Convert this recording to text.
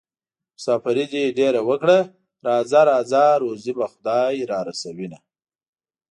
مساپري دې ډېره وکړه راځه راځه روزي به خدای رارسوينه